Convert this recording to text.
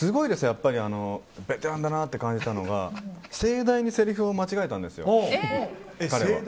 やっぱりベテランだなって感じたのが盛大にせりふを間違えたんですよ。